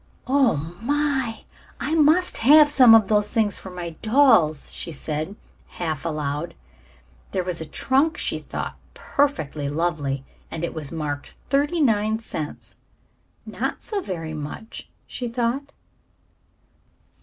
"Oh, my, I must have some of those things for my dolls," she said, half aloud. There was a trunk she thought perfectly lovely and it was marked 39 cents. "Not so very much," she thought.